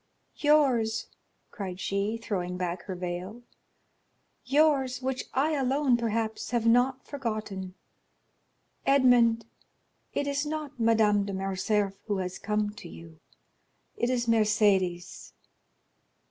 "Yours!" cried she, throwing back her veil,—"yours, which I alone, perhaps, have not forgotten. Edmond, it is not Madame de Morcerf who is come to you, it is Mercédès."